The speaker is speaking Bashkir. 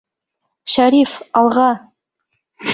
Шәриф, алға!